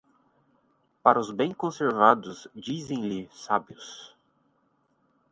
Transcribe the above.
Para os bem conservados dizem-lhe sábios.